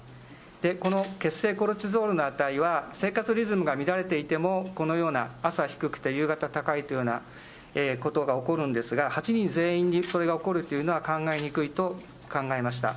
この血性コルチゾールの値は生活リズムが乱れていても、このような朝低くて夕方高いというようなことが起こるんですが、８人全員にそれが起こるというのは考えにくいと考えました。